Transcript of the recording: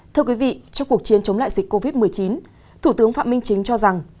thưa quý vị trong cuộc chiến chống lại dịch covid một mươi chín thủ tướng phạm minh chính cho rằng